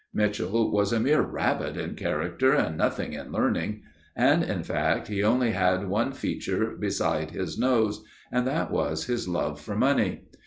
Mitchell was a mere rabbit in character and nothing in learning. And, in fact, he only had one feature besides his nose, and that was his love for money.